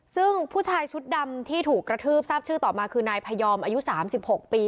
ซึ่งผู้ชายชุดดำที่ถูกกระทืบทราบชื่อต่อมาคือนายพยอมอายุ๓๖ปี